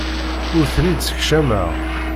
Ur ten-id-ssekcameɣ.